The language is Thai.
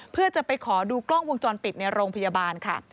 เพื่อจะไปขอดูกล้องวงจรปิดในโรงพยาบาลค่ะ